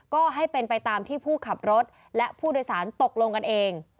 ก็ให้เป็นไปตามที่ผู้ขับรถและผู้โดยสารตกลงกันเอง